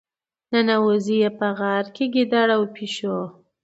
ننوزي یې په غار کې ګیدړ او پيشو.